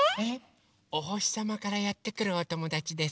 おほしさまからやってくるおともだちです。